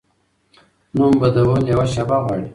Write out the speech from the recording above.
نوم بدول یوه شیبه غواړي.